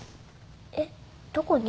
えっどこに？